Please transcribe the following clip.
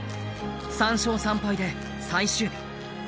３勝３敗で最終日。